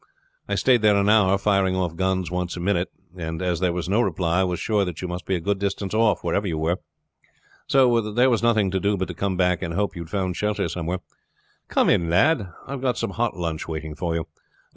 I stayed there an hour, firing off guns once a minute, and as there was no reply was sure that you must be a good distance off, wherever you were; so there was nothing to do but to come back and hope you had found shelter somewhere. Come in, lad; I have got some hot lunch waiting for you.